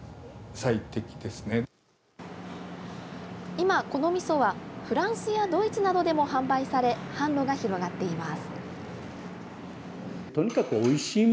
今、このみそはフランスやドイツなどでも販売され販路が広がっています。